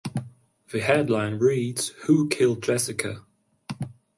The headline reads, Who Killed Jessica?